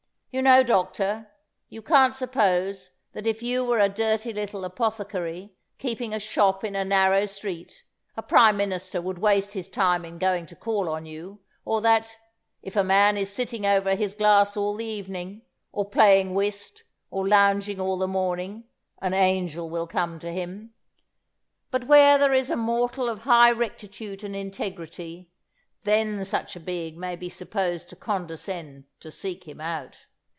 You know, doctor, you can't suppose that if you were a dirty little apothecary, keeping a shop in a narrow street, a prime minister would waste his time in going to call on you; or that, if a man is sitting over his glass all the evening, or playing whist, or lounging all the morning, an angel will come to him. But where there is a mortal of high rectitude and integrity, then such a being may be supposed to condescend to seek him out.